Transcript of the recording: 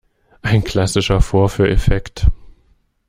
Ein klassischer Vorführeffekt!